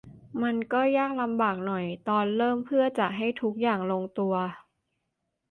มันก็ยากลำบากหน่อยตอนเริ่มเพื่อจะให้ทุกอย่างลงตัว